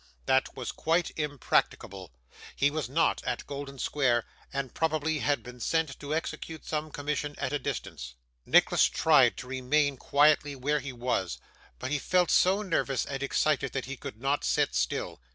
That was quite impracticable. He was not at Golden Square, and probably had been sent to execute some commission at a distance. Nicholas tried to remain quietly where he was, but he felt so nervous and excited that he could not sit still.